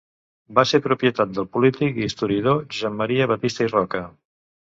Va ser propietat del polític i historiador Josep Maria Batista i Roca.